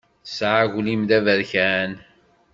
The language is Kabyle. Tesɛa aglim d aberkan.